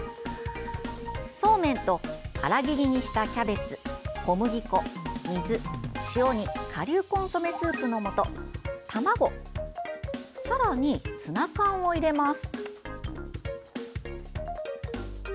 そうめんと、粗切りにしたキャベツ、小麦粉、水、塩に顆粒コンソメスープのもと卵、さらにツナ缶を入れます。